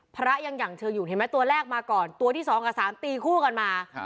พระยังอย่างเชิงอยู่เห็นไหมตัวแรกมาก่อนตัวที่๒กับ๓ตีคู่กันมา